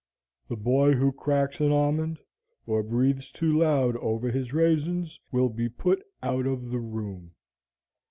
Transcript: The boy who cracks an almond, or breathes too loud over his raisins, will be put out of the room?"